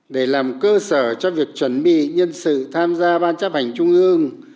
để làm cơ sở cho việc chuẩn bị nhân sự tham gia ban chấp hành trung ương